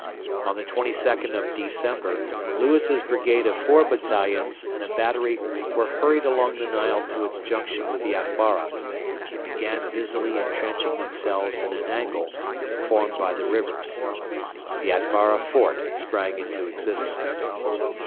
On the 22nd of December Lewis's brigade of four battalions and a battery were hurried along the Nile to its junction with the Atbara, and began busily entrenching themselves in a angle formed by the rivers. The Atbara fort sprang into existence.